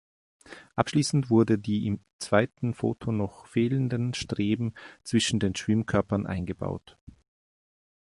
Abschließend wurden die im zweiten Foto noch fehlenden Streben zwischen den Schwimmkörpern eingebaut.